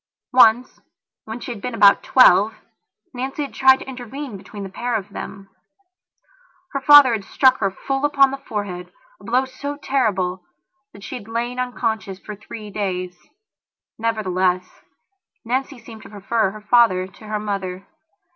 Once, when she had been about twelve, Nancy had tried to intervene between the pair of them. Her father had struck her full upon the forehead a blow so terrible that she had lain unconscious for three days. Nevertheless, Nancy seemed to prefer her father to her mother.